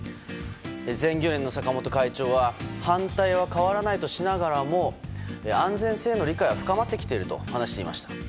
全漁連の坂本会長は反対は変わらないとしながらも安全性への理解は深まってきていると話しました。